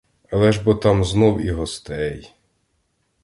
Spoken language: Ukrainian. Але ж бо там знов і гостей!